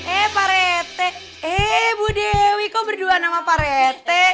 eh pak rete eh bu dewi kok berdua nama pak rete